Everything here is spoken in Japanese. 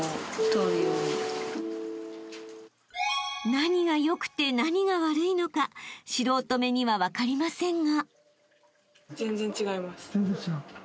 ［何が良くて何が悪いのか素人目には分かりませんが］